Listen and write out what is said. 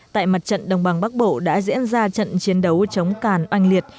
tại mặt trận đồng bằng bắc bộ đã diễn ra trận chiến đấu chống càn oanh liệt